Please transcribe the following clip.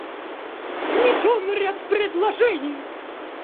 Внесен ряд предложений.